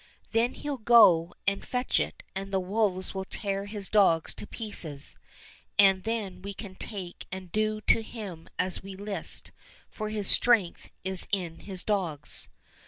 Then he'll go and fetch it, and the wolves will tear his dogs to pieces, and then we can take and do to him as we list, for his strength is in his dogs."